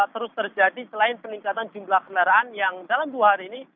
terus terjadi selain peningkatan jumlah kendaraan yang dalam dua hari ini